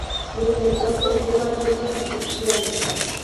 Desde entonces lleva piernas artificiales.